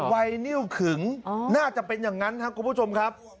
วัยนิ้วขึงน่าจะเป็นอย่างนั้นครับคุณผู้ชมครับ